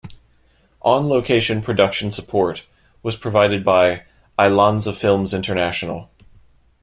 On location production support was provided by Alianza Films International.